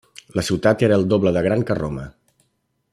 La ciutat era el doble de gran que Roma.